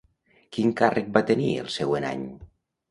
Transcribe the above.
Quin càrrec va tenir el següent any?